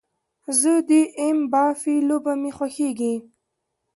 زه د ایم با في لوبه مې خوښیږي